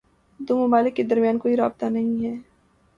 دو ممالک کے درمیان کوئی رابطہ نہیں ہے